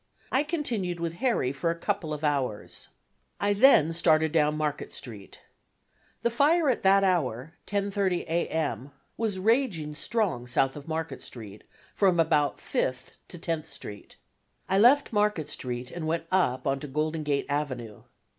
I continued with Harry for a couple of hours. I then started down Market Street. The fire at that hour, 10:30 A. M., was raging strong south of Market Street from about Fifth to Tenth Street. I left Market Street and went up on to Golden Gate Avenue.